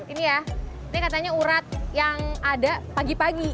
ini ya ini katanya urat yang ada pagi pagi